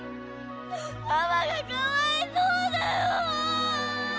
ママがかわいそうだよ。